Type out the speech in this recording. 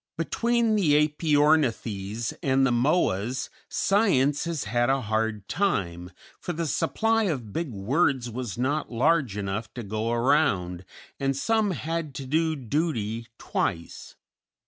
Between the Æpyornithes and the Moas Science has had a hard time, for the supply of big words was not large enough to go around, and some had to do duty twice.